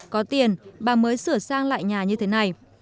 có tiền bà mới sửa sang lại nhà như thế này